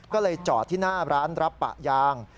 ก็เลยจอดที่หน้าร้านรับปะยาง